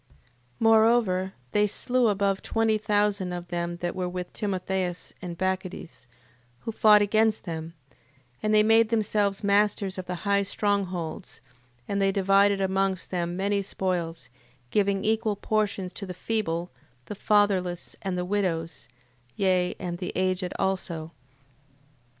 8:30. Moreover, they slew above twenty thousand of them that were with Timotheus and Bacchides, who fought against them, and they made themselves masters of the high strong holds: and they divided amongst them many spoils, giving equal portions to the feeble, the fatherless, and the widows; yea, and the aged also.